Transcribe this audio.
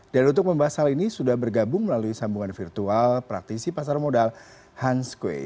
dan untuk membahas hal ini sudah bergabung melalui sambungan virtual praktisi pasar modal hans kueh